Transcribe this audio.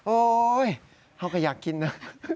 โอ๊ยเขาก็อยากกินนะ